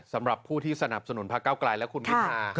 สำหรับผู้ที่สนับสนุนพระเก้าไกลและคุณพิธา